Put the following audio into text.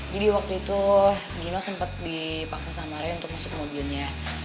jadi waktu itu gino sempet dipaksa sama ray untuk masuk mobilnya